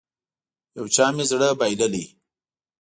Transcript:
يو چا مې زړه بايللی.